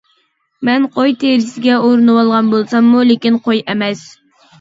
مەن قوي تېرىسىگە ئورىنىۋالغان بولساممۇ لېكىن قوي ئەمەس.